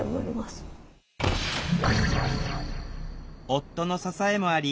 夫の支えもあり